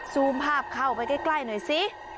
ซูมภาพเข้าไปใกล้หน่อยสิ